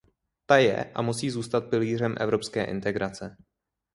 Ta je a musí zůstat pilířem evropské integrace.